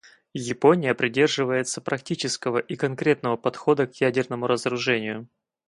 Япония придерживается практического и конкретного подхода к ядерному разоружению.